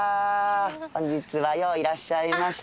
本日はよういらっしゃいました。